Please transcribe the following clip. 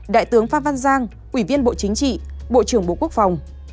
đại tướng pháp văn giang quỷ viên bộ chính trị bộ trưởng bộ quốc phòng